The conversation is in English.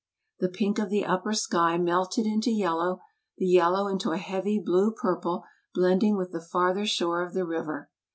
The pink of the upper sky melted into yellow, the yellow into a heavy blue purple blending with the farther shore of the river.